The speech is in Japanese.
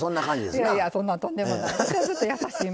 いやいやそんなとんでもない。